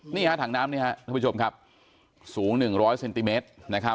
นี่ถังน้ำนี้ครับทุกผู้ชมสูง๑๐๐เซนติเมตร